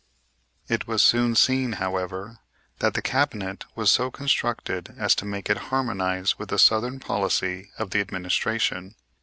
It was soon seen, however, that the Cabinet was so constructed as to make it harmonize with the southern policy of the administration.